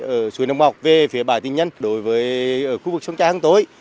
ở suối nông ngọc về phía bài tinh nhân đối với khu vực sông trai hàng tối